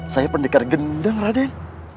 saya pendekar gendang raden